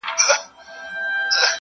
ویل خلاص مي کړې له غمه انعام څه دی؛